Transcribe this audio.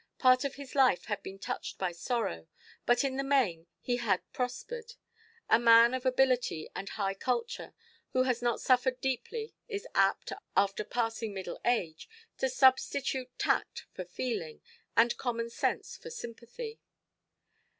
Part of his life had been touched by sorrow, but in the main he had prospered. A man of ability and high culture, who has not suffered deeply, is apt, after passing middle age, to substitute tact for feeling, and common sense for sympathy.